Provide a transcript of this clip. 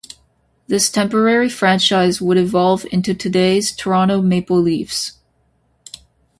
This temporary franchise would evolve into today's Toronto Maple Leafs.